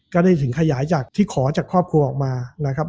ก็ได้ถึงขยายจากที่ขอจากครอบครัวออกมานะครับ